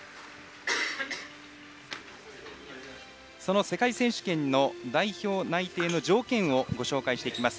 その世界選手権の代表内定の条件をご紹介していきます。